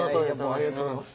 ありがとうございます。